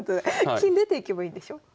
金出ていけばいいんでしょ？